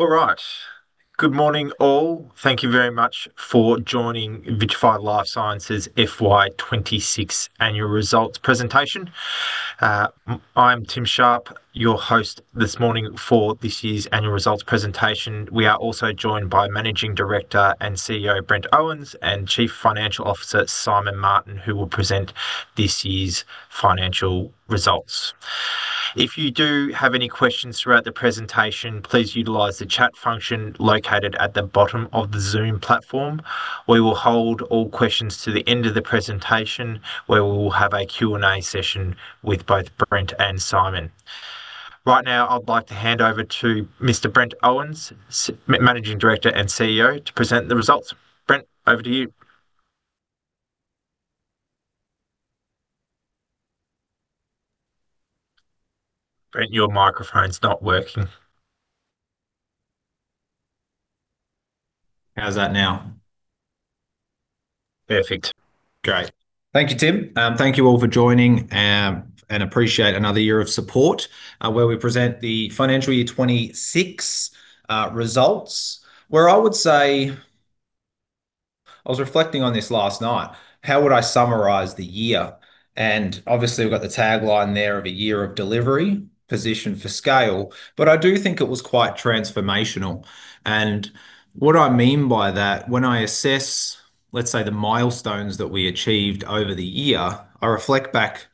All right. Good morning, all. Thank you very much for joining Vitrafy Life Sciences FY 2026 annual results presentation. I'm Tim Sharpe, your host this morning for this year's annual results presentation. We are also joined by Managing Director and CEO, Brent Owens, and Chief Financial Officer, Simon Martin, who will present this year's financial results. If you do have any questions throughout the presentation, please utilize the chat function located at the bottom of the Zoom platform. We will hold all questions to the end of the presentation, where we will have a Q&A session with both Brent and Simon. Right now, I'd like to hand over to Mr. Brent Owens, Managing Director and CEO, to present the results. Brent, over to you. Brent, your microphone's not working. How's that now? Perfect. Great. Thank you, Tim. Thank you all for joining, appreciate another year of support, where we present the financial year 2026 results. Where I would say, I was reflecting on this last night, how would I summarize the year? Obviously we've got the tagline there of, "A year of delivery, positioned for scale," but I do think it was quite transformational. What I mean by that, when I assess, let's say, the milestones that we achieved over the year, I reflect back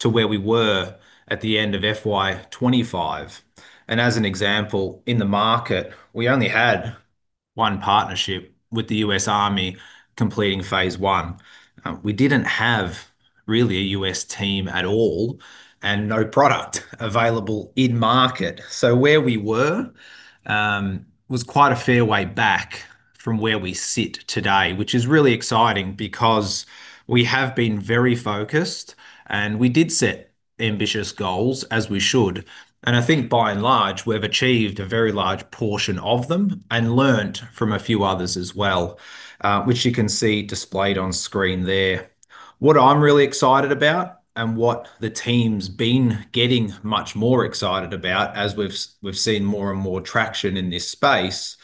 to where we were at the end of FY 2025. As an example, in the market, we only had one partnership with the U.S. Army completing phase I. We didn't have really a U.S. team at all, and no product available in market. Where we were, was quite a fair way back from where we sit today, which is really exciting because we have been very focused, and we did set ambitious goals, as we should. I think by and large, we've achieved a very large portion of them and learnt from a few others as well, which you can see displayed on screen there. What I'm really excited about, and what the team's been getting much more excited about as we've seen more and more traction in this space,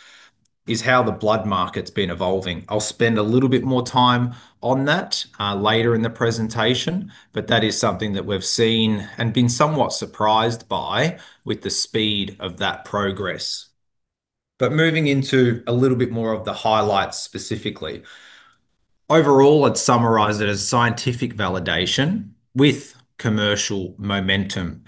is how the blood market's been evolving. I'll spend a little bit more time on that later in the presentation, but that is something that we've seen and been somewhat surprised by with the speed of that progress. Moving into a little bit more of the highlights specifically. Overall, I'd summarize it as scientific validation with commercial momentum.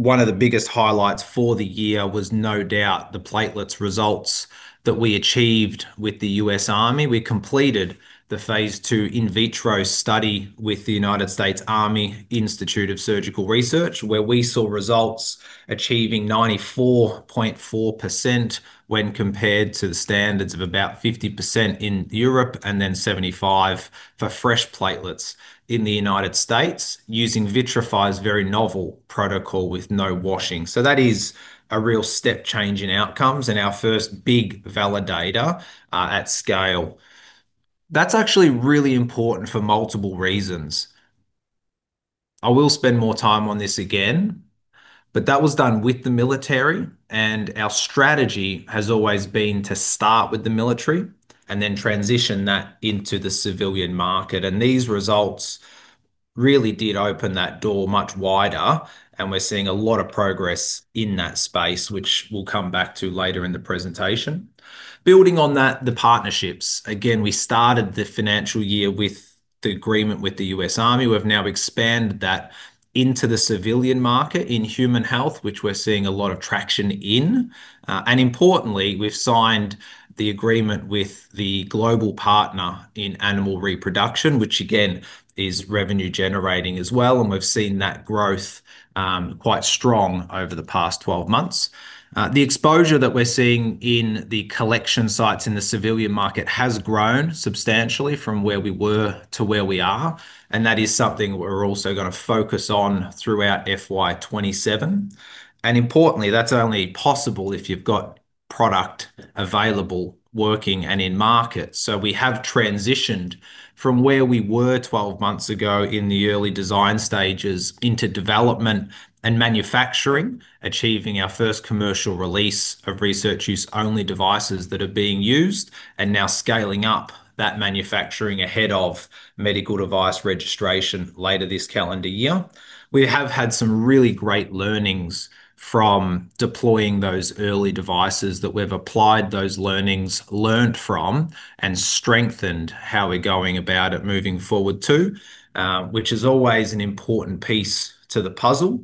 One of the biggest highlights for the year was no doubt the platelets results that we achieved with the U.S. Army. We completed the phase II in vitro study with the United States Army Institute of Surgical Research, where we saw results achieving 94.4% when compared to the standards of about 50% in Europe, and then 75% for fresh platelets in the U.S. using Vitrafy's very novel protocol with no washing. That is a real step change in outcomes and our first big validator at scale. That's actually really important for multiple reasons. I will spend more time on this again, but that was done with the military. Our strategy has always been to start with the military and then transition that into the civilian market. These results really did open that door much wider. We're seeing a lot of progress in that space, which we'll come back to later in the presentation. Building on that, the partnerships. Again, we started the financial year with the agreement with the U.S. Army. We've now expanded that into the civilian market in human health, which we're seeing a lot of traction in. Importantly, we've signed the agreement with the global partner in animal reproduction, which again, is revenue generating as well, we've seen that growth quite strong over the past 12 months. The exposure that we're seeing in the collection sites in the civilian market has grown substantially from where we were to where we are, that is something we're also going to focus on throughout FY 2027. Importantly, that's only possible if you've got product available, working, and in market. We have transitioned from where we were 12 months ago in the early design stages into development and manufacturing, achieving our first commercial release of research-use only devices that are being used, and now scaling up that manufacturing ahead of medical device registration later this calendar year. We have had some really great learnings from deploying those early devices that we've applied those learnings learnt from and strengthened how we're going about it moving forward too, which is always an important piece to the puzzle.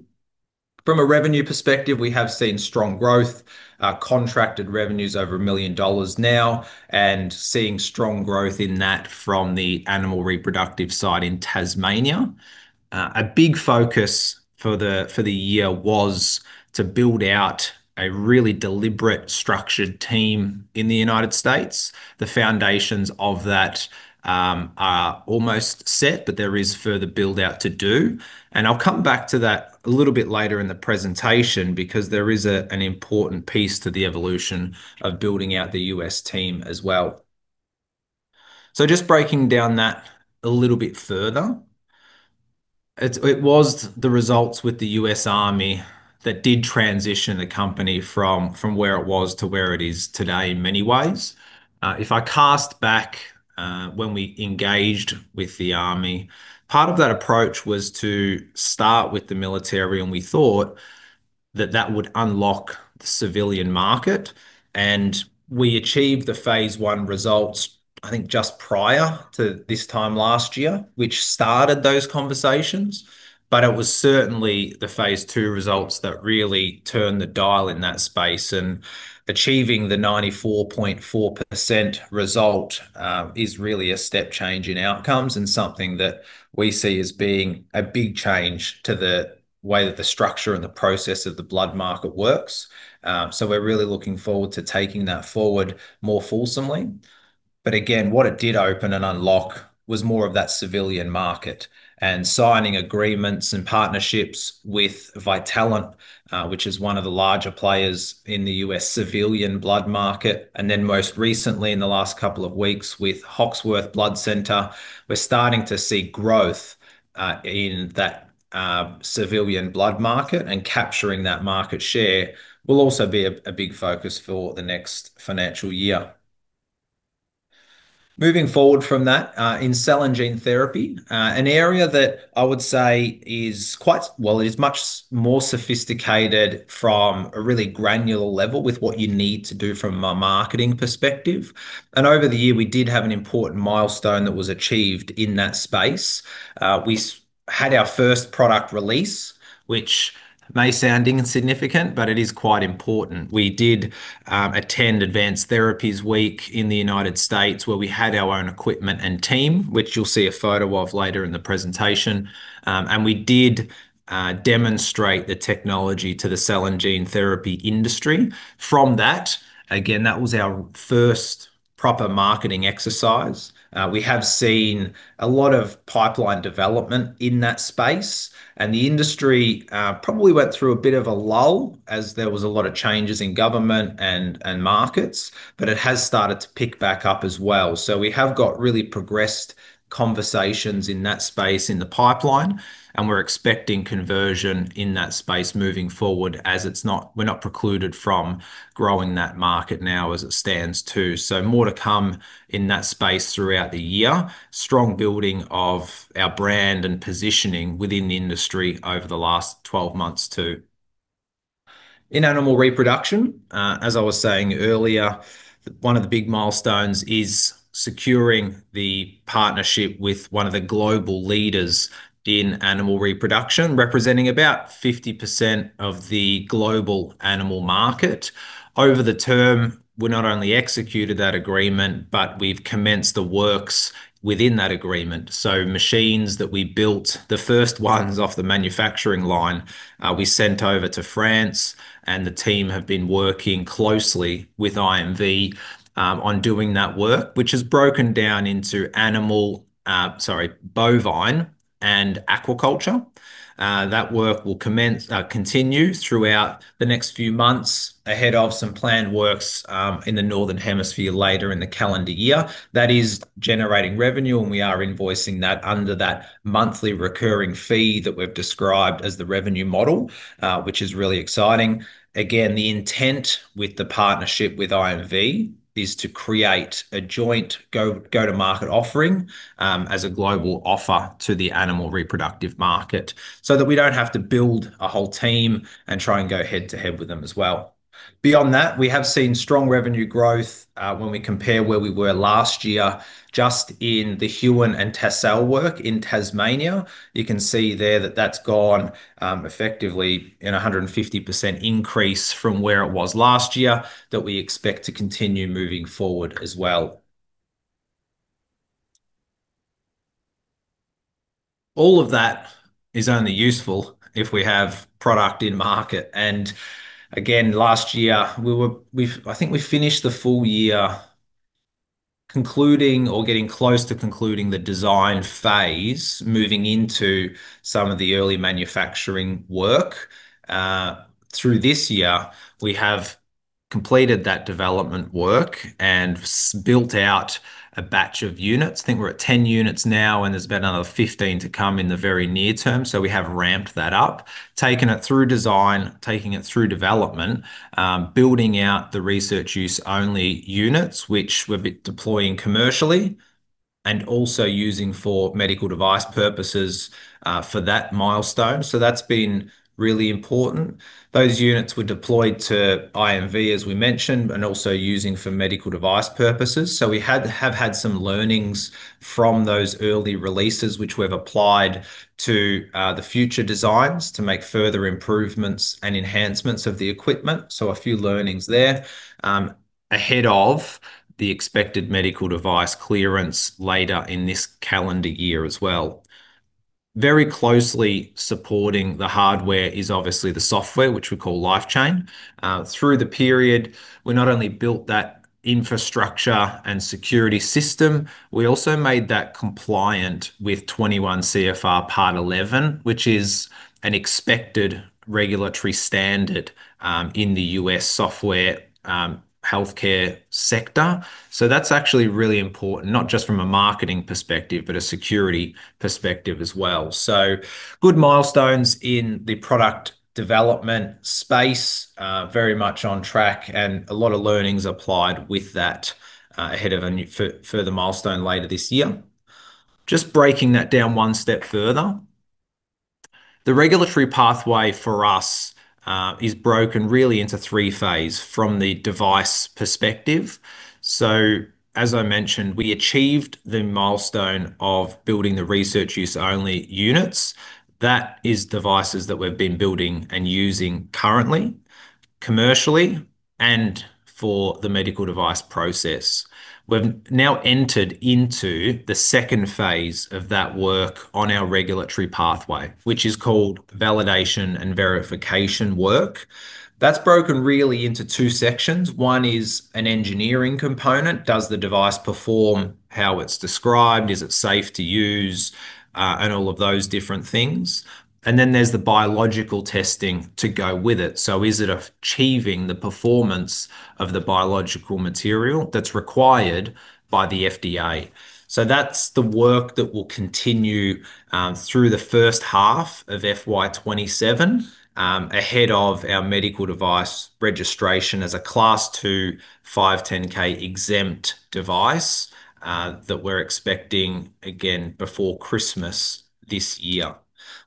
From a revenue perspective, we have seen strong growth. Contracted revenue's over 1 million dollars now, seeing strong growth in that from the animal reproductive site in Tasmania. A big focus for the year was to build out a really deliberate, structured team in the U.S. The foundations of that are almost set, but there is further build-out to do. I'll come back to that a little bit later in the presentation because there is an important piece to the evolution of building out the U.S. team as well. Just breaking down that a little bit further, it was the results with the U.S. Army that did transition the company from where it was to where it is today in many ways. If I cast back when we engaged with the Army, part of that approach was to start with the military. We thought that that would unlock the civilian market. We achieved the phase I results, I think, just prior to this time last year, which started those conversations. It was certainly the phase II results that really turned the dial in that space, and achieving the 94.4% result is really a step change in outcomes and something that we see as being a big change to the way that the structure and the process of the blood market works. We're really looking forward to taking that forward more fulsomely. Again, what it did open and unlock was more of that civilian market and signing agreements and partnerships with Vitalant, which is one of the larger players in the U.S. civilian blood market. Most recently in the last couple of weeks with Hoxworth Blood Center, we're starting to see growth in that civilian blood market. Capturing that market share will also be a big focus for the next financial year. Moving forward from that, in cell and gene therapy, an area that I would say is much more sophisticated from a really granular level with what you need to do from a marketing perspective. Over the year, we did have an important milestone that was achieved in that space. We had our first product release, which may sound insignificant, but it is quite important. We did attend Advanced Therapies Week in the United States, where we had our own equipment and team, which you'll see a photo of later in the presentation. We did demonstrate the technology to the cell and gene therapy industry. From that, again, that was our first proper marketing exercise. We have seen a lot of pipeline development in that space. The industry probably went through a bit of a lull as there was a lot of changes in government and markets, but it has started to pick back up as well. We have got really progressed conversations in that space in the pipeline, and we're expecting conversion in that space moving forward as we're not precluded from growing that market now as it stands too. More to come in that space throughout the year. Strong building of our brand and positioning within the industry over the last 12 months too. In animal reproduction, as I was saying earlier, one of the big milestones is securing the partnership with one of the global leaders in animal reproduction, representing about 50% of the global animal market. Over the term, we not only executed that agreement, but we've commenced the works within that agreement. Machines that we built, the first ones off the manufacturing line, we sent over to France, and the team have been working closely with IMV Technologies on doing that work, which is broken down into bovine and aquaculture. That work will continue throughout the next few months ahead of some planned works in the northern hemisphere later in the calendar year. That is generating revenue, and we are invoicing that under that monthly recurring fee that we've described as the revenue model, which is really exciting. Again, the intent with the partnership with IMV is to create a joint go-to-market offering as a global offer to the animal reproductive market so that we don't have to build a whole team and try and go head-to-head with them as well. Beyond that, we have seen strong revenue growth when we compare where we were last year just in the Huon and Tassal work in Tasmania. You can see there that that's gone effectively in a 150% increase from where it was last year that we expect to continue moving forward as well. All of that is only useful if we have product in market. Last year, I think we finished the full year concluding or getting close to concluding the design phase, moving into some of the early manufacturing work. Through this year, we have completed that development work and built out a batch of units. I think we're at 10 units now, and there's about another 15 to come in the very near term. We have ramped that up, taken it through design, taking it through development, building out the research-use only units, which we'll be deploying commercially, and also using for medical device purposes for that milestone. That's been really important. Those units were deployed to IMV, as we mentioned, and also using for medical device purposes. We have had some learnings from those early releases which we've applied to the future designs to make further improvements and enhancements of the equipment. A few learnings there ahead of the expected medical device clearance later in this calendar year as well. Very closely supporting the hardware is obviously the software, which we call LifeChain. Through the period, we not only built that infrastructure and security system, we also made that compliant with 21 CFR Part 11, which is an expected regulatory standard in the U.S. software healthcare sector. That's actually really important, not just from a marketing perspective, but a security perspective as well. Good milestones in the product development space, very much on track, and a lot of learnings applied with that, ahead of a further milestone later this year. Just breaking that down one step further. The regulatory pathway for us is broken really into three phase from the device perspective. As I mentioned, we achieved the milestone of building the research-use only units. That is devices that we've been building and using currently, commercially, and for the medical device process. We've now entered into the second phase of that work on our regulatory pathway, which is called validation and verification work. That's broken really into two sections. One is an engineering component. Does the device perform how it's described? Is it safe to use? All of those different things. Then there's the biological testing to go with it. Is it achieving the performance of the biological material that's required by the FDA? That's the work that will continue through the first half of FY 2027, ahead of our medical device registration as a Class 2 510(k) exempt device that we're expecting again before Christmas this year.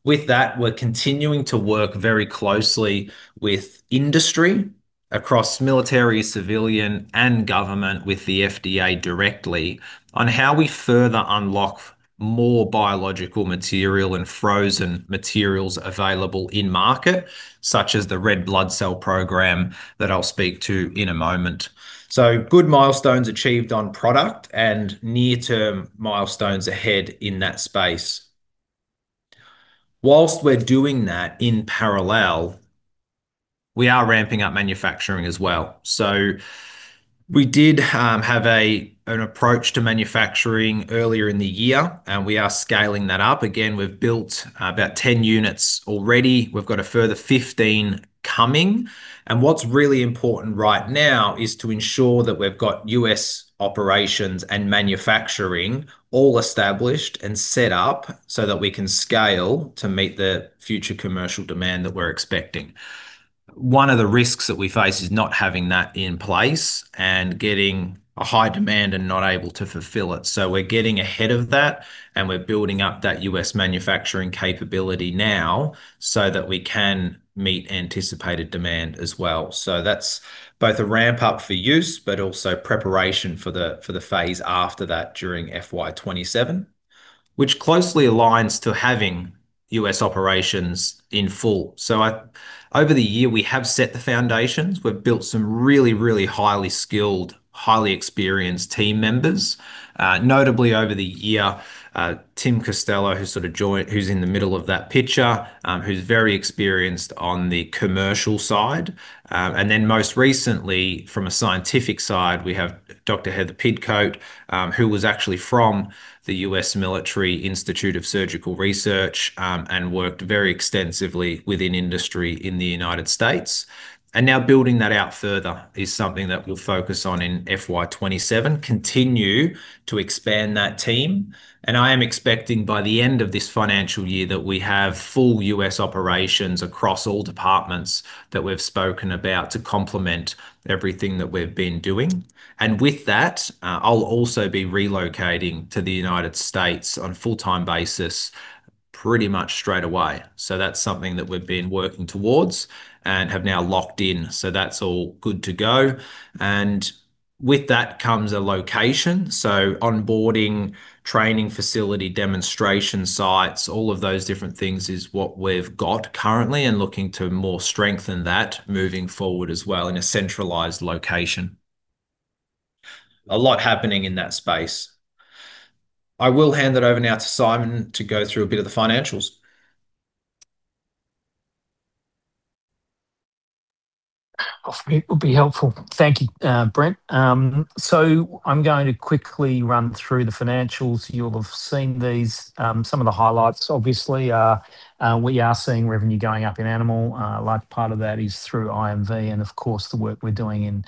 With that, we're continuing to work very closely with industry across military, civilian, and government with the FDA directly on how we further unlock more biological material and frozen materials available in market, such as the red blood cell program that I'll speak to in a moment. Good milestones achieved on product and near-term milestones ahead in that space. Whilst we're doing that in parallel, we are ramping up manufacturing as well. We did have an approach to manufacturing earlier in the year, and we are scaling that up. We've built about 10 units already. We've got a further 15 coming. What's really important right now is to ensure that we've got U.S. operations and manufacturing all established and set up so that we can scale to meet the future commercial demand that we're expecting. One of the risks that we face is not having that in place and getting a high demand and not able to fulfill it. We're getting ahead of that, and we're building up that U.S. manufacturing capability now so that we can meet anticipated demand as well. That's both a ramp-up for use, but also preparation for the phase after that during FY 2027, which closely aligns to having U.S. operations in full. Over the year, we have set the foundations. We've built some really highly skilled, highly experienced team members. Notably over the year, Tim Costello, who sort of joined, who's in the middle of that picture, who's very experienced on the commercial side. Then most recently from a scientific side, we have Dr. Heather Pidcoke, who was actually from the U.S. Army Institute of Surgical Research, and worked very extensively within industry in the U.S. Now building that out further is something that we'll focus on in FY 2027, continue to expand that team. I am expecting by the end of this financial year that we have full U.S. operations across all departments that we've spoken about to complement everything that we've been doing. With that, I'll also be relocating to the U.S. on a full-time basis pretty much straight away. That's something that we've been working towards and have now locked in. That's all good to go. With that comes a location. Onboarding, training facility, demonstration sites, all of those different things is what we've got currently and looking to more strengthen that moving forward as well in a centralized location. A lot happening in that space. I will hand it over now to Simon to go through a bit of the financials. It would be helpful. Thank you, Brent. I'm going to quickly run through the financials. You'll have seen these. Some of the highlights obviously are we are seeing revenue going up in animal. A large part of that is through IMV and of course the work we're doing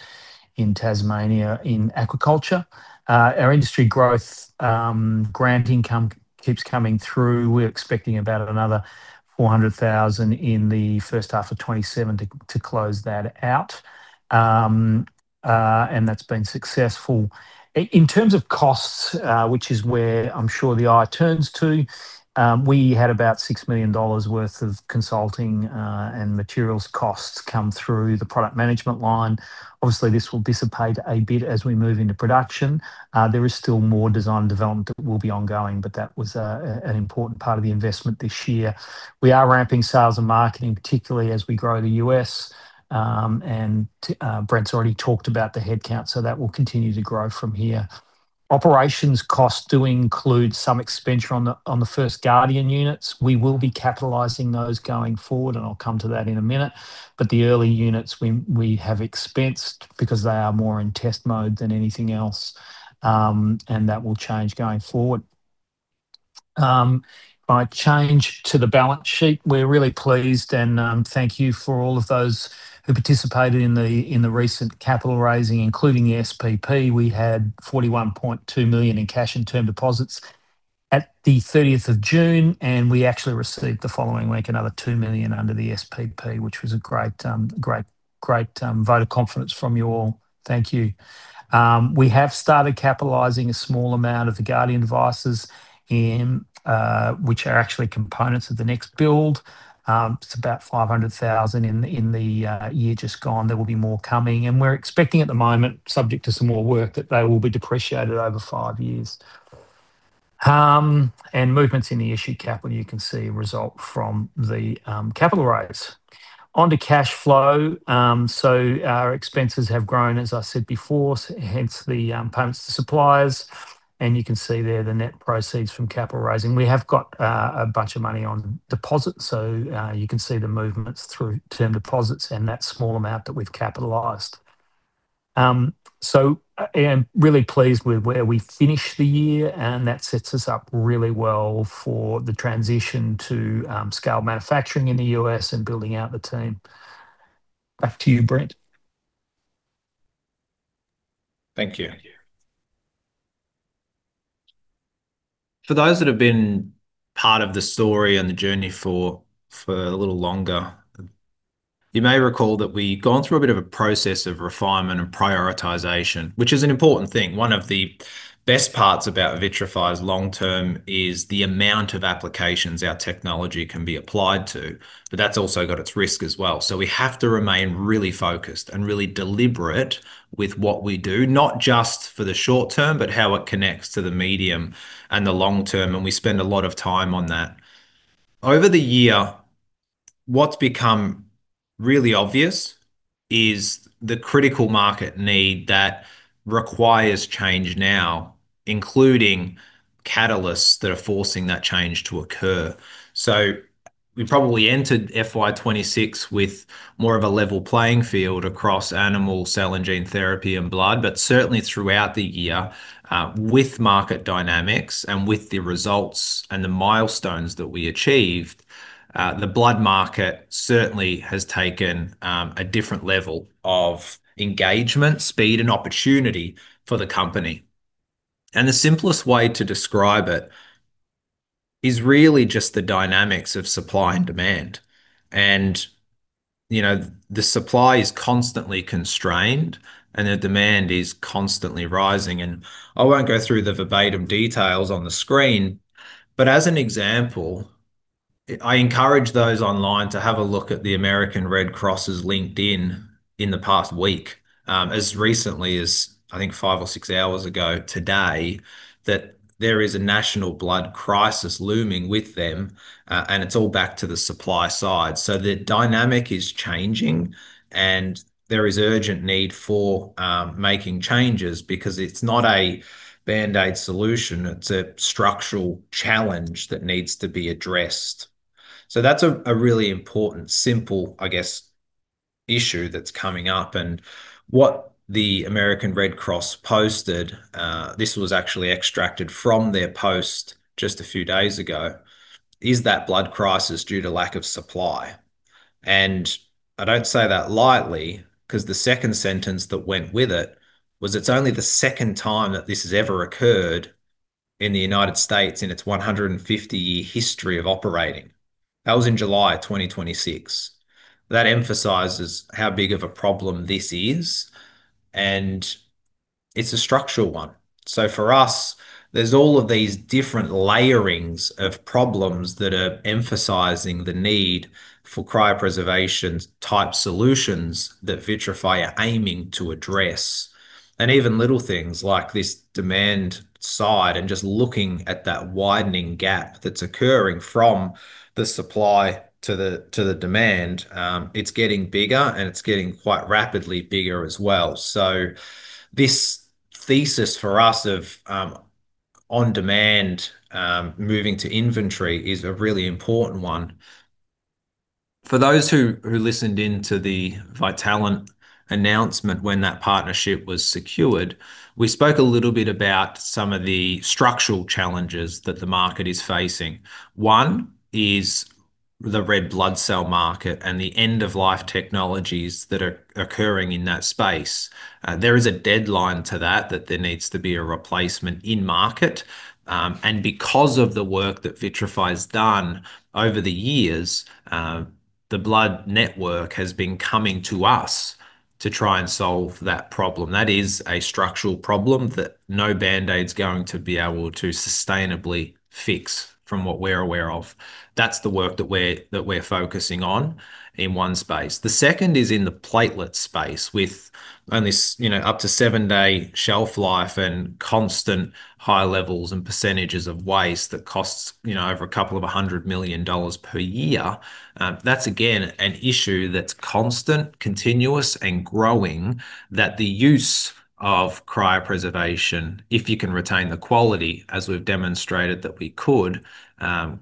in Tasmania in aquaculture. Our industry growth grant income keeps coming through. We're expecting about another 400,000 in the first half of 2027 to close that out. That's been successful. In terms of costs, which is where I'm sure the eye turns to, we had about 6 million dollars worth of consulting, and materials costs come through the product management line. Obviously, this will dissipate a bit as we move into production. There is still more design and development that will be ongoing, but that was an important part of the investment this year. We are ramping sales and marketing, particularly as we grow the U.S. Brent's already talked about the headcount, so that will continue to grow from here. Operations costs do include some expenditure on the first Guardion units. We will be capitalizing those going forward, and I'll come to that in a minute. The early units we have expensed because they are more in test mode than anything else, and that will change going forward. If I change to the balance sheet, we're really pleased and thank you for all of those who participated in the recent capital raising, including the SPP. We had 41.2 million in cash in term deposits at the 30th of June, and we actually received the following week another 2 million under the SPP, which was a great vote of confidence from you all. Thank you. We have started capitalizing a small amount of the Guardion devices, which are actually components of the next build. It's about 500,000 in the year just gone. There will be more coming. We're expecting at the moment, subject to some more work, that they will be depreciated over five years. Movements in the issued capital you can see result from the capital raise. On to cash flow. Our expenses have grown, as I said before, hence the payments to suppliers, and you can see there the net proceeds from capital raising. We have got a bunch of money on deposit. You can see the movements through term deposits and that small amount that we've capitalized. I am really pleased with where we finished the year, and that sets us up really well for the transition to scale manufacturing in the U.S. and building out the team. Back to you, Brent. Thank you. For those that have been part of the story and the journey for a little longer, you may recall that we've gone through a bit of a process of refinement and prioritization, which is an important thing. One of the best parts about Vitrafy's long term is the amount of applications our technology can be applied to, but that's also got its risk as well. We have to remain really focused and really deliberate with what we do, not just for the short term, but how it connects to the medium and the long term, and we spend a lot of time on that. Over the year, what's become really obvious is the critical market need that requires change now, including catalysts that are forcing that change to occur. We probably entered FY 2026 with more of a level playing field across animal cell and gene therapy and blood. Certainly throughout the year, with market dynamics and with the results and the milestones that we achieved, the blood market certainly has taken a different level of engagement, speed, and opportunity for the company. The simplest way to describe it is really just the dynamics of supply and demand. The supply is constantly constrained, and the demand is constantly rising. I won't go through the verbatim details on the screen, but as an example, I encourage those online to have a look at the American Red Cross's LinkedIn in the past week. As recently as I think five or six hours ago today, there is a national blood crisis looming with them, and it's all back to the supply side. The dynamic is changing, and there is urgent need for making changes because it's not a band-aid solution, it's a structural challenge that needs to be addressed. That's a really important, simple, I guess, issue that's coming up. What the American Red Cross posted, this was actually extracted from their post just a few days ago, is that blood crisis due to lack of supply. I don't say that lightly because the second sentence that went with it was, it's only the second time that this has ever occurred in the U.S. in its 150-year history of operating. That was in July 2026. That emphasizes how big of a problem this is, and it's a structural one. For us, there's all of these different layerings of problems that are emphasizing the need for cryopreservation-type solutions that Vitrafy are aiming to address. Even little things like this demand side and just looking at that widening gap that's occurring from the supply to the demand. It's getting bigger, and it's getting quite rapidly bigger as well. This thesis for us of on-demand moving to inventory is a really important one. For those who listened in to the Vitalant announcement when that partnership was secured, we spoke a little bit about some of the structural challenges that the market is facing. One is the red blood cell market and the end-of-life technologies that are occurring in that space. There is a deadline to that that there needs to be a replacement in market. Because of the work that Vitrafy's done over the years, the blood network has been coming to us to try and solve that problem. That is a structural problem that no band-aid's going to be able to sustainably fix from what we're aware of. That's the work that we're focusing on in one space. The second is in the platelet space with only up to seven-day shelf life and constant high levels and percentages of waste that costs over a couple of hundred million dollars per year. That's again an issue that's constant, continuous, and growing, that the use of cryopreservation, if you can retain the quality, as we've demonstrated that we could,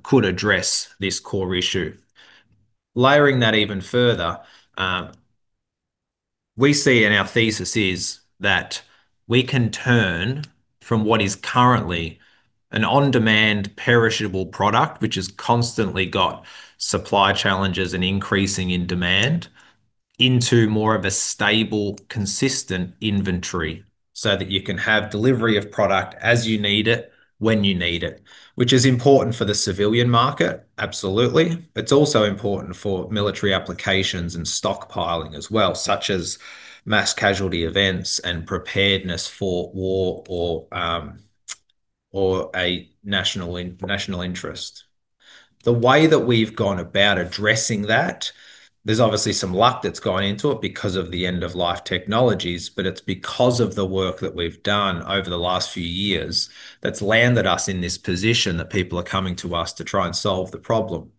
could address this core issue. Layering that even further, we see, and our thesis is that we can turn from what is currently an on-demand perishable product, which has constantly got supply challenges and increasing in demand, into more of a stable, consistent inventory so that you can have delivery of product as you need it, when you need it. Which is important for the civilian market, absolutely. It's also important for military applications and stockpiling as well, such as mass casualty events and preparedness for war or a national interest. The way that we've gone about addressing that, there's obviously some luck that's gone into it because of the end-of-life technologies, but it's because of the work that we've done over the last few years that's landed us in this position that people are coming to us to try and solve the problem.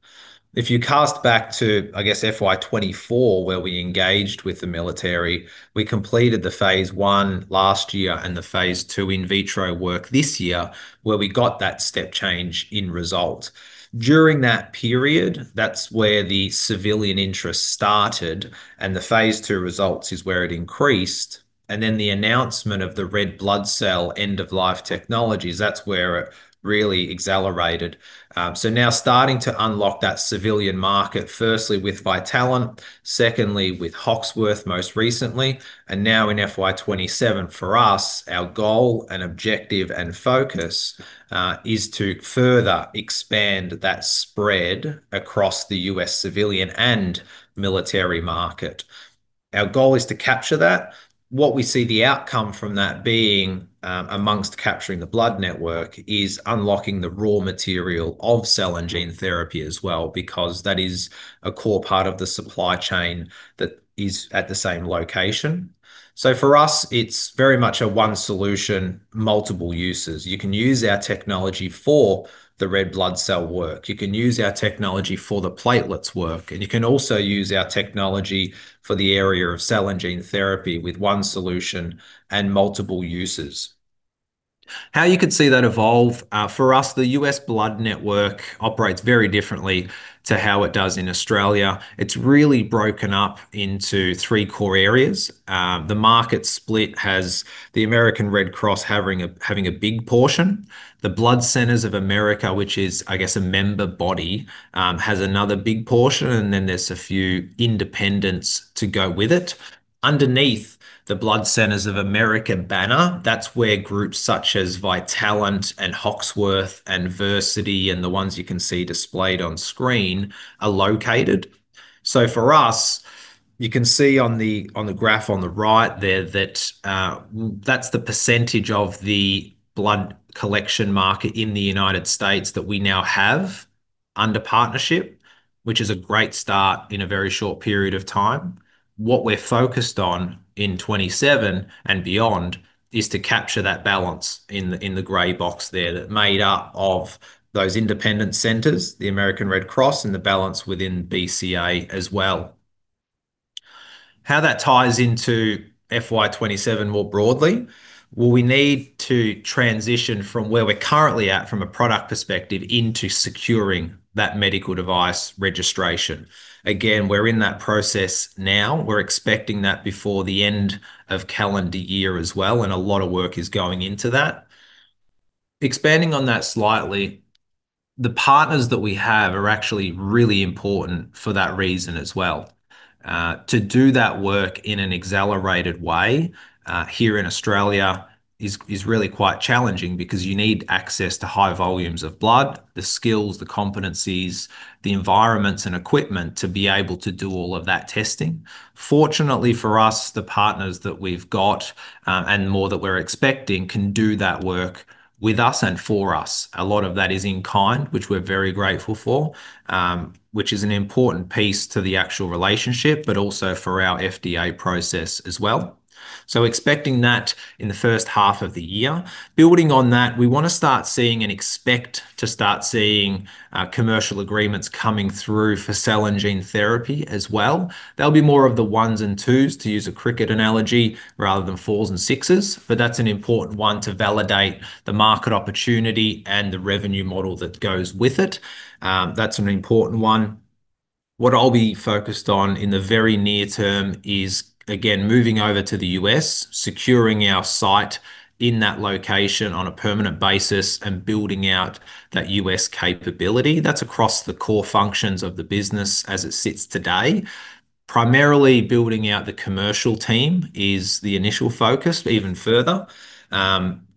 If you cast back to, I guess, FY 2024, where we engaged with the military, we completed the phase I last year and the phase II in vitro work this year, where we got that step change in result. During that period, that's where the civilian interest started and the phase II results is where it increased, and then the announcement of the red blood cell end-of-life technologies, that's where it really accelerated. Now starting to unlock that civilian market, firstly with Vitalant, secondly with Hoxworth most recently, and now in FY 2027 for us, our goal and objective and focus is to further expand that spread across the U.S. civilian and military market. Our goal is to capture that. What we see the outcome from that being, amongst capturing the blood network, is unlocking the raw material of cell and gene therapy as well, because that is a core part of the supply chain that is at the same location. For us, it's very much a one solution, multiple uses. You can use our technology for the red blood cell work, you can use our technology for the platelets work, and you can also use our technology for the area of cell and gene therapy with one solution and multiple uses. How you could see that evolve. For us, the U.S. blood network operates very differently to how it does in Australia. It's really broken up into three core areas. The market split has the American Red Cross having a big portion. The Blood Centers of America, which is, I guess, a member body, has another big portion, and then there's a few independents to go with it. Underneath the Blood Centers of America banner, that's where groups such as Vitalant and Hoxworth and Versiti, and the ones you can see displayed on screen are located. For us, you can see on the graph on the right there that's the percentage of the blood collection market in the U.S. that we now have under partnership, which is a great start in a very short period of time. What we're focused on in 2027 and beyond is to capture that balance in the gray box there that are made up of those independent centers, the American Red Cross, and the balance within BCA as well. How that ties into FY 2027 more broadly, well, we need to transition from where we're currently at from a product perspective into securing that medical device registration. Again, we're in that process now. We're expecting that before the end of calendar year as well, and a lot of work is going into that. Expanding on that slightly, the partners that we have are actually really important for that reason as well. To do that work in an accelerated way here in Australia is really quite challenging because you need access to high volumes of blood, the skills, the competencies, the environments, and equipment to be able to do all of that testing. Fortunately for us, the partners that we've got, and more that we're expecting, can do that work with us and for us. A lot of that is in kind, which we're very grateful for, which is an important piece to the actual relationship, but also for our FDA process as well. Expecting that in the first half of the year. Building on that, we want to start seeing and expect to start seeing commercial agreements coming through for cell and gene therapy as well. There'll be more of the ones and twos, to use a cricket analogy, rather than fours and sixes, but that's an important one to validate the market opportunity and the revenue model that goes with it. That's an important one. What I'll be focused on in the very near term is, again, moving over to the U.S., securing our site in that location on a permanent basis, and building out that U.S. capability. That's across the core functions of the business as it sits today. Primarily building out the commercial team is the initial focus even further,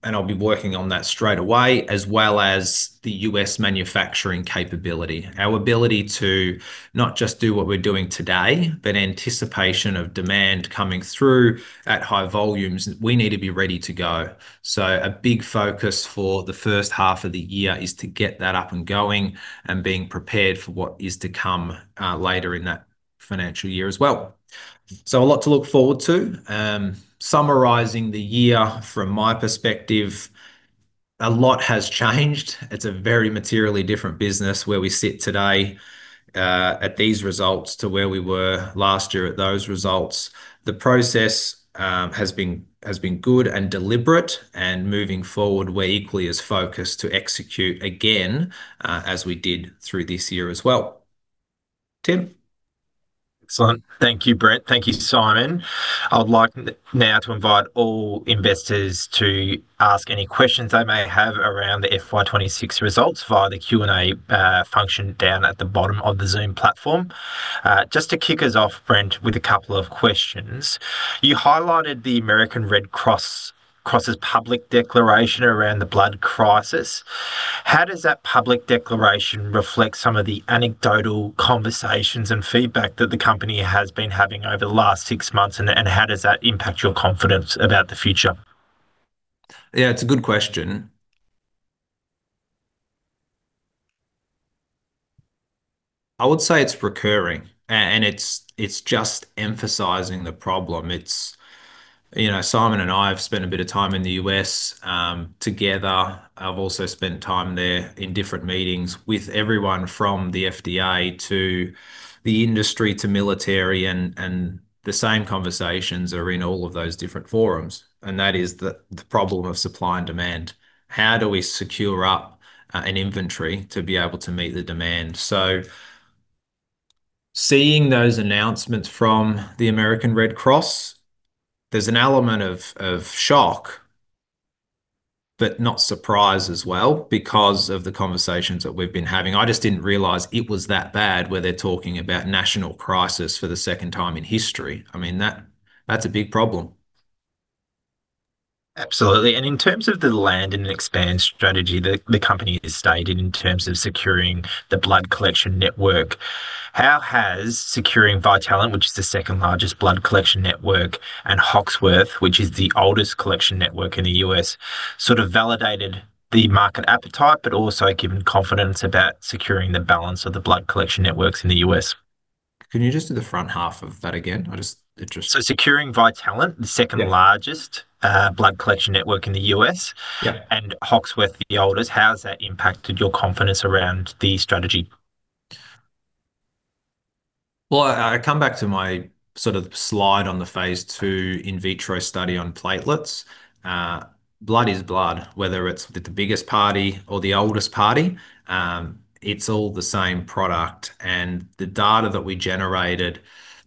and I'll be working on that straightaway, as well as the U.S. manufacturing capability. Our ability to not just do what we're doing today, but anticipation of demand coming through at high volumes, we need to be ready to go. A big focus for the first half of the year is to get that up and going and being prepared for what is to come later in that financial year as well. A lot to look forward to. Summarizing the year from my perspective, a lot has changed. It's a very materially different business where we sit today at these results to where we were last year at those results. The process has been good and deliberate, and moving forward we're equally as focused to execute again as we did through this year as well. Tim? Excellent. Thank you, Brent. Thank you, Simon. I would like now to invite all investors to ask any questions they may have around the FY 2026 results via the Q&A function down at the bottom of the Zoom platform. Just to kick us off, Brent, with a couple of questions. You highlighted the American Red Cross' public declaration around the blood crisis. How does that public declaration reflect some of the anecdotal conversations and feedback that the company has been having over the last six months, and how does that impact your confidence about the future? It's a good question. I would say it's recurring, and it's just emphasizing the problem. Simon and I have spent a bit of time in the U.S. together. I've also spent time there in different meetings with everyone from the FDA to the industry to military. The same conversations are in all of those different forums, and that is the problem of supply and demand. How do we secure up an inventory to be able to meet the demand? Seeing those announcements from the American Red Cross, there's an element of shock, but not surprise as well because of the conversations that we've been having. I just didn't realize it was that bad where they're talking about national crisis for the second time in history. That's a big problem. In terms of the land and expand strategy that the company has stated in terms of securing the blood collection network, how has securing Vitalant, which is the second-largest blood collection network, and Hoxworth, which is the oldest collection network in the U.S., sort of validated the market appetite, but also given confidence about securing the balance of the blood collection networks in the U.S.? Can you just do the front half of that again? I'm just interested. Securing Vitalant, the second-largest blood collection network in the U.S., and Hoxworth, the oldest, how has that impacted your confidence around the strategy? Well, I come back to my slide on the phase II in vitro study on platelets. Blood is blood, whether it's with the biggest party or the oldest party. It's all the same product. The data that we generated,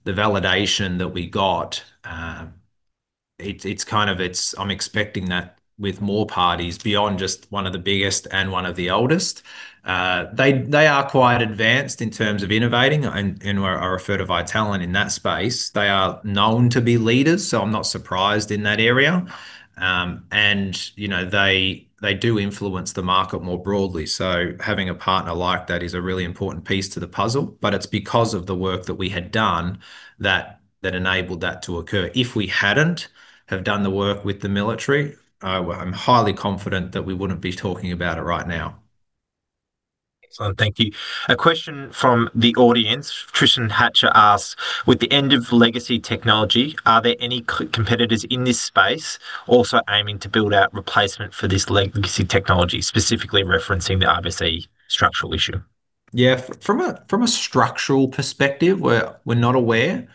the validation that we got, I'm expecting that with more parties, beyond just one of the biggest and one of the oldest, they are quite advanced in terms of innovating, and I refer to Vitalant in that space. They are known to be leaders, so I'm not surprised in that area. They do influence the market more broadly, so having a partner like that is a really important piece to the puzzle. It's because of the work that we had done that enabled that to occur. If we hadn't have done the work with the military, I'm highly confident that we wouldn't be talking about it right now. Excellent. Thank you. A question from the audience. Tristan Hatcher asks, with the end of legacy technology, are there any competitors in this space also aiming to build out replacement for this legacy technology? Specifically referencing the RBC structural issue. From a structural perspective, we're not aware.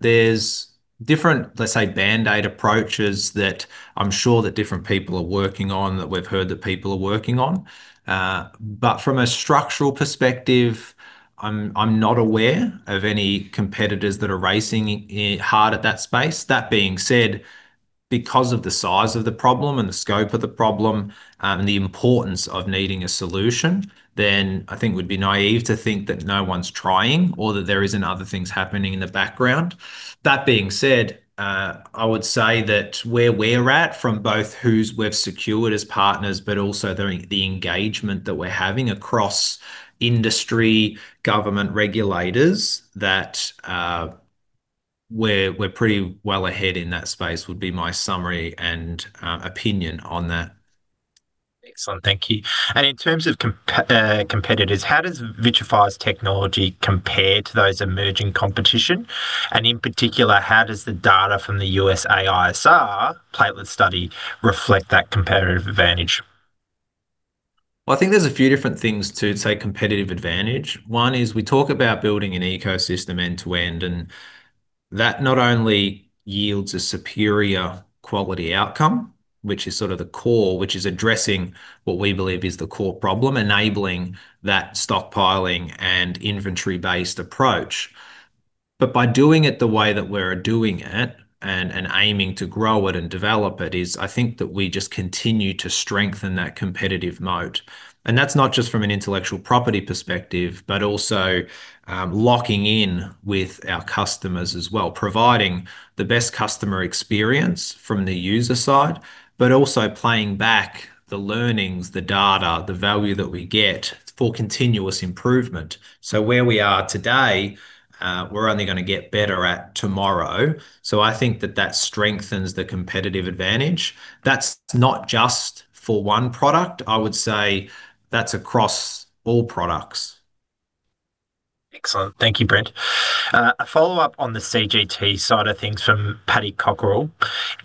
There's different, let's say, band-aid approaches that I'm sure that different people are working on, that we've heard that people are working on. From a structural perspective, I'm not aware of any competitors that are racing hard at that space. That being said, because of the size of the problem and the scope of the problem, and the importance of needing a solution, I think it would be naïve to think that no one's trying, or that there isn't other things happening in the background. That being said, I would say that where we're at from both who we've secured as partners, but also the engagement that we're having across industry, government regulators, that we're pretty well ahead in that space would be my summary and opinion on that. Excellent. Thank you. In terms of competitors, how does Vitrafy's technology compare to those emerging competition? In particular, how does the data from the USAISR platelet study reflect that competitive advantage? Well, I think there's a few different things to say competitive advantage. One is we talk about building an ecosystem end to end. That not only yields a superior quality outcome, which is sort of the core, which is addressing what we believe is the core problem, enabling that stockpiling and inventory-based approach. By doing it the way that we're doing it, aiming to grow it and develop it is, I think that we just continue to strengthen that competitive moat. That's not just from an intellectual property perspective, but also locking in with our customers as well. Providing the best customer experience from the user side, but also playing back the learnings, the data, the value that we get for continuous improvement. Where we are today, we're only going to get better at tomorrow. I think that that strengthens the competitive advantage. That's not just for one product. I would say that's across all products. Excellent. Thank you, Brent. A follow-up on the CGT side of things from Paddy Cockerell.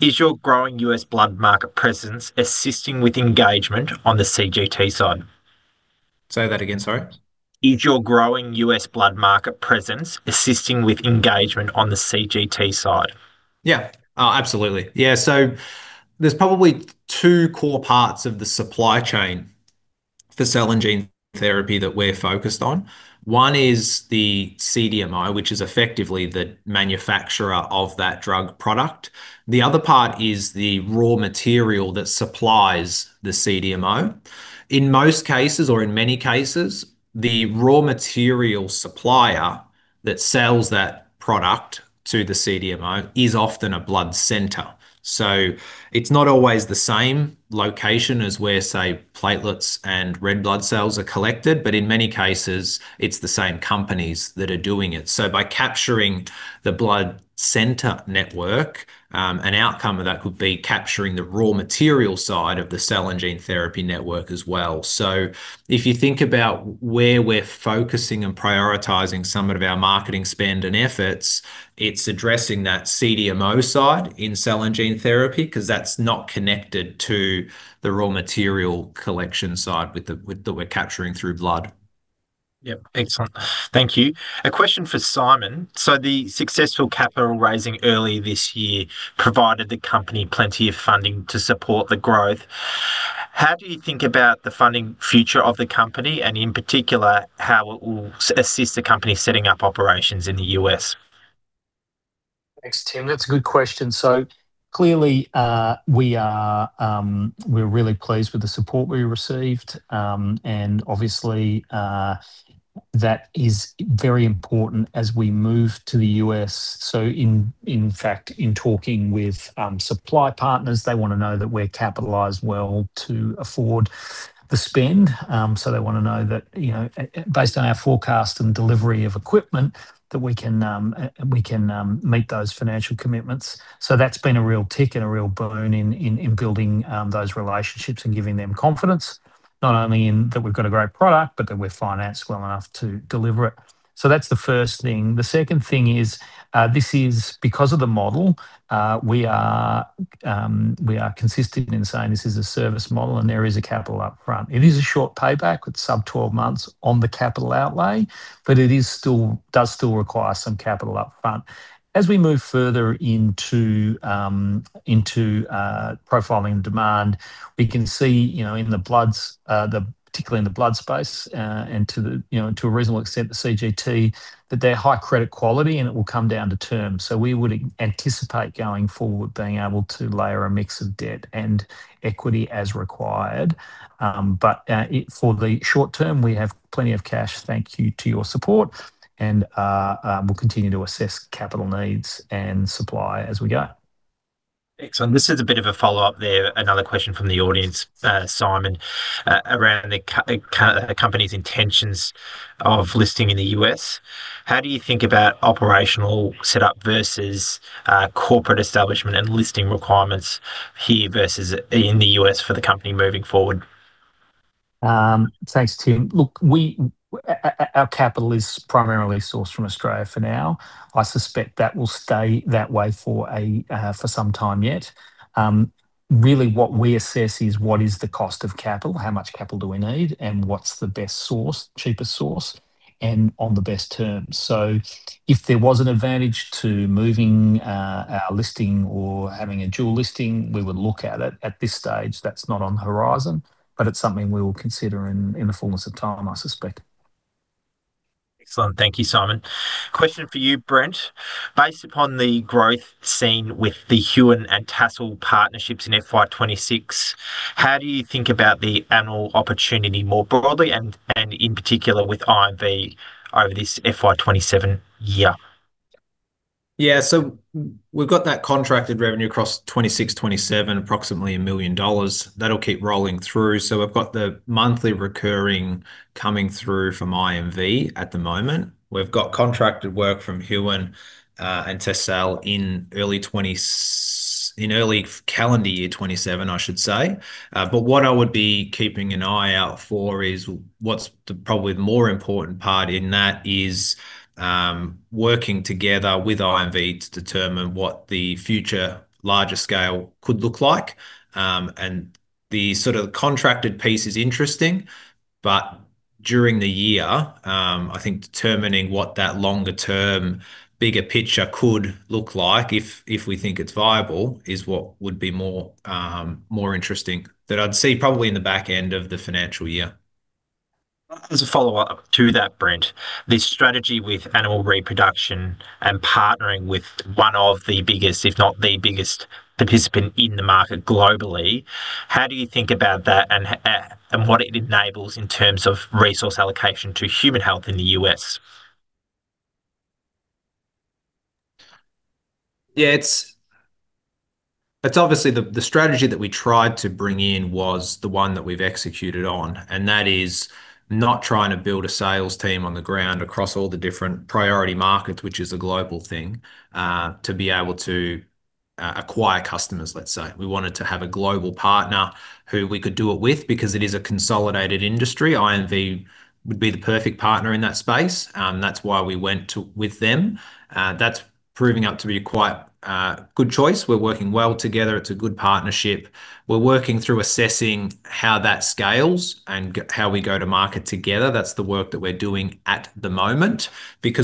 Is your growing U.S. blood market presence assisting with engagement on the CGT side? Say that again, sorry. Is your growing U.S. blood market presence assisting with engagement on the CGT side? Absolutely. There's probably two core parts of the supply chain for cell and gene therapy that we're focused on. One is the CDMO, which is effectively the manufacturer of that drug product. The other part is the raw material that supplies the CDMO. In most cases, or in many cases, the raw material supplier that sells that product to the CDMO is often a blood center. It's not always the same location as where, say, platelets and red blood cells are collected, but in many cases, it's the same companies that are doing it. By capturing the blood center network, an outcome of that could be capturing the raw material side of the cell and gene therapy network as well. If you think about where we're focusing and prioritizing some of our marketing spend and efforts, it's addressing that CDMO side in cell and gene therapy, because that's not connected to the raw material collection side that we're capturing through blood. Excellent. Thank you. A question for Simon. The successful capital raising early this year provided the company plenty of funding to support the growth. How do you think about the funding future of the company, and in particular, how it will assist the company setting up operations in the U.S.? Thanks, Tim. That's a good question. Clearly, we're really pleased with the support we received, and obviously, that is very important as we move to the U.S. In fact, in talking with supply partners, they want to know that we're capitalized well to afford the spend. They want to know that based on our forecast and delivery of equipment, that we can meet those financial commitments. That's been a real tick and a real boon in building those relationships and giving them confidence, not only in that we've got a great product, but that we're financed well enough to deliver it. That's the first thing. The second thing is, this is because of the model, we are consistent in saying this is a service model and there is a capital up front. It is a short payback with sub-12 months on the capital outlay, but it does still require some capital up front. As we move further into profiling demand, we can see, particularly in the blood space, and to a reasonable extent the CGT, that they're high credit quality and it will come down to terms. We would anticipate going forward being able to layer a mix of debt and equity as required. For the short term, we have plenty of cash, thank you to your support, and we'll continue to assess capital needs and supply as we go. Excellent. This is a bit of a follow-up there, another question from the audience, Simon, around the company's intentions of listing in the U.S. How do you think about operational setup versus corporate establishment and listing requirements here versus in the U.S. for the company moving forward? Thanks, Tim. Look, our capital is primarily sourced from Australia for now. I suspect that will stay that way for some time yet. Really what we assess is what is the cost of capital, how much capital do we need, and what's the best source, cheapest source, and on the best terms. If there was an advantage to moving our listing or having a dual listing, we would look at it. At this stage, that's not on the horizon, but it's something we will consider in the fullness of time, I suspect. Excellent. Thank you, Simon. Question for you, Brent. Based upon the growth seen with the Huon and Tassal partnerships in FY 2026, how do you think about the animal opportunity more broadly and, in particular, with IMV over this FY 2027 year? We've got that contracted revenue across 2026/2027, approximately 1 million dollars. That'll keep rolling through. We've got the monthly recurring coming through from IMV at the moment. We've got contracted work from Huon and Tassal in early calendar year 2027, I should say. What I would be keeping an eye out for is, what's probably the more important part in that is, working together with IMV to determine what the future larger scale could look like. The contracted piece is interesting, but during the year, I think determining what that longer-term, bigger picture could look like if we think it's viable is what would be more interesting. That I'd see probably in the back end of the financial year. As a follow-up to that, Brent, the strategy with animal reproduction and partnering with one of the biggest, if not the biggest participant in the market globally, how do you think about that and what it enables in terms of resource allocation to human health in the U.S.? Obviously, the strategy that we tried to bring in was the one that we've executed on. That is not trying to build a sales team on the ground across all the different priority markets, which is a global thing, to be able to acquire customers, let's say. We wanted to have a global partner who we could do it with because it is a consolidated industry. IMV would be the perfect partner in that space. That's why we went with them. That's proving out to be quite a good choice. We're working well together. It's a good partnership. We're working through assessing how that scales and how we go to market together. That's the work that we're doing at the moment.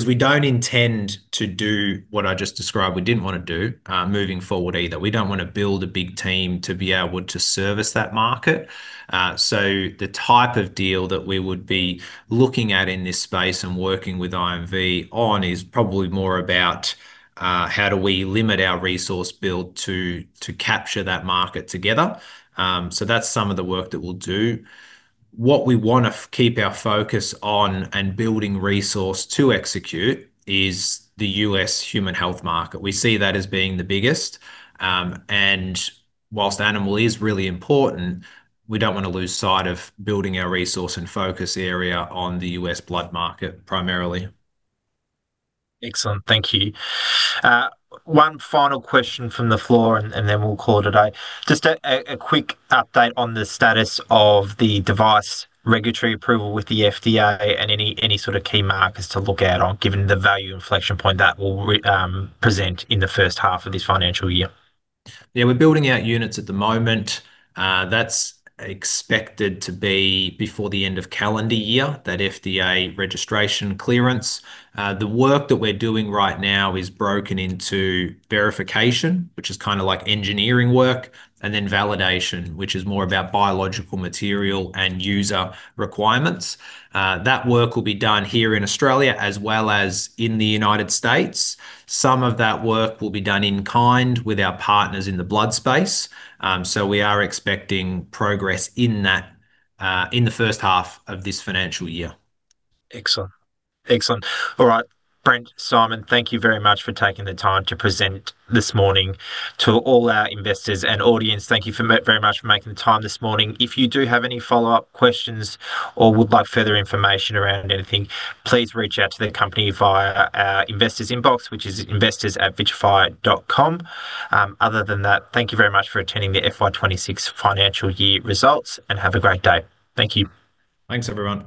We don't intend to do what I just described we didn't want to do moving forward either. We don't want to build a big team to be able to service that market. The type of deal that we would be looking at in this space and working with IMV on is probably more about how do we limit our resource build to capture that market together. That's some of the work that we'll do. What we want to keep our focus on and building resource to execute is the U.S. human health market. We see that as being the biggest, and whilst animal is really important, we don't want to lose sight of building our resource and focus area on the U.S. blood market primarily. Excellent. Thank you. One final question from the floor. Then we'll call it a day. Just a quick update on the status of the device regulatory approval with the FDA, any sort of key markers to look out on, given the value inflection point that will present in the first half of this financial year. We're building out units at the moment. That's expected to be before the end of calendar year, that FDA registration clearance. The work that we're doing right now is broken into verification, which is kind of like engineering work, and then validation, which is more about biological material and user requirements. That work will be done here in Australia as well as in the U.S. Some of that work will be done in kind with our partners in the blood space. We are expecting progress in the first half of this financial year. Brent, Simon, thank you very much for taking the time to present this morning to all our investors and audience. Thank you very much for making the time this morning. If you do have any follow-up questions or would like further information around anything, please reach out to the company via our investors inbox, which is investors@vitrafy.com. Other than that, thank you very much for attending the FY 2026 financial year results, and have a great day. Thank you. Thanks, everyone.